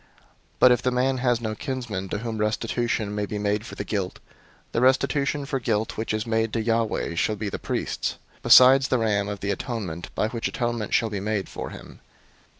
005:008 But if the man has no kinsman to whom restitution may be made for the guilt, the restitution for guilt which is made to Yahweh shall be the priest's; besides the ram of the atonement, by which atonement shall be made for him.